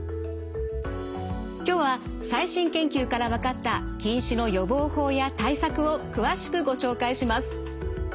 今日は最新研究から分かった近視の予防法や対策を詳しくご紹介します。